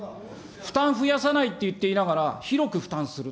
負担増やさないって言っていながら広く負担する。